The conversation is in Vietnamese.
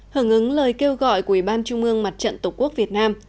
hưởng ứng lời kêu gọi của ủy ban trung ương mặt trận tổ quốc việt nam